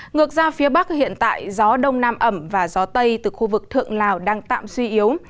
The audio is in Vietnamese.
ngược ra phía bắc hiện tại gió đông nam ẩm và gió tây từ khu vực thượng lào đang tạm suy yếu